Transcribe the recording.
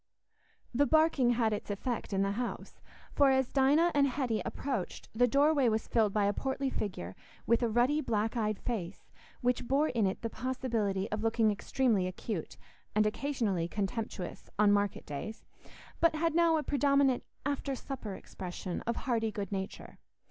The barking had its effect in the house, for, as Dinah and Hetty approached, the doorway was filled by a portly figure, with a ruddy black eyed face which bore in it the possibility of looking extremely acute, and occasionally contemptuous, on market days, but had now a predominant after supper expression of hearty good nature.